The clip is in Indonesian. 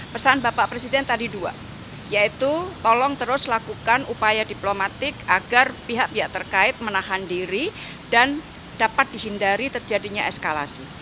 pesan bapak presiden tadi dua yaitu tolong terus lakukan upaya diplomatik agar pihak pihak terkait menahan diri dan dapat dihindari terjadinya eskalasi